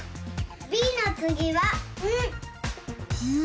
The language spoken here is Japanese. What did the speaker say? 「び」のつぎは「ん」！